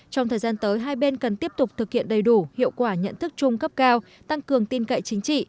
trong thời gian tới hai bên cần tiếp tục thực hiện đầy đủ hiệu quả nhận thức chung cấp cao tăng cường tin cậy chính trị